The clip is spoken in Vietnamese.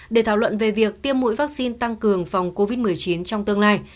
để thảo luận về việc tiêm mũi vaccine tăng cường phòng covid một mươi chín trong tương lai